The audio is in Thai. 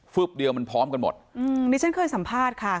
บเดียวมันพร้อมกันหมดอืมดิฉันเคยสัมภาษณ์ค่ะ